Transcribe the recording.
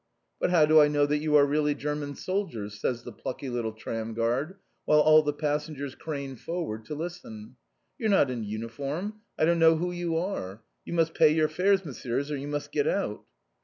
"But how do I know that you are really German soldiers!" says the plucky little tram guard, while all the passengers crane forward to listen. "You're not in uniform. I don't know who you are. You must pay your fares, Messieurs, or you must get out."